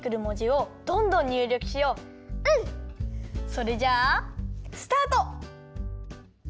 それじゃあスタート！